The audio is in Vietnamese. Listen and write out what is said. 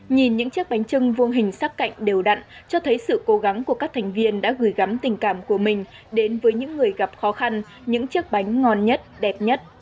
nhìn những chiếc bánh trưng vuông hình sắc cạnh đều đặn cho thấy sự cố gắng của các thành viên đã gửi gắm tình cảm của mình đến với những người gặp khó khăn những chiếc bánh ngon nhất đẹp nhất